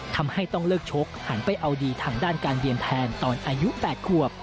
ต้องเลิกชกหันไปเอาดีทางด้านการเรียนแทนตอนอายุ๘ขวบ